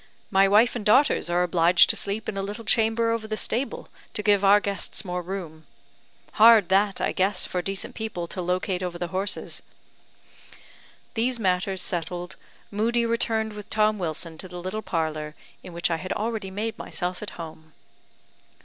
My wife and daughters are obliged to sleep in a little chamber over the stable, to give our guests more room. Hard that, I guess, for decent people to locate over the horses." These matters settled, Moodie returned with Tom Wilson to the little parlour, in which I had already made myself at home.